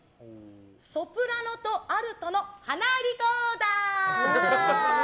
ソプラノとアルトの鼻リコーダー。